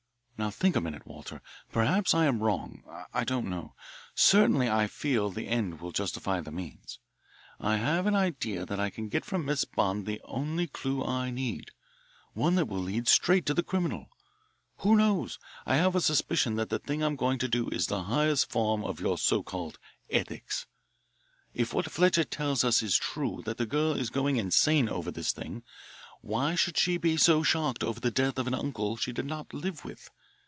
"Now think a minute, Walter. Perhaps I am wrong; I don't know. Certainly I feel that the end will justify the means. I have an idea that I can get from Miss Bond the only clue that I need, one that will lead straight to the criminal. Who knows? I have a suspicion that the thing I'm going to do is the highest form of your so called ethics. If what Fletcher tells us is true that girl is going insane over this thing. Why should she be so shocked over the death of an uncle she did not live with?